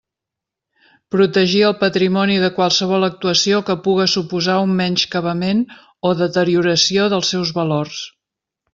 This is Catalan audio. Protegir el patrimoni de qualsevol actuació que puga suposar un menyscabament o deterioració dels seus valors.